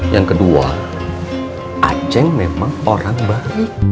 yang kedua aceh memang orang baik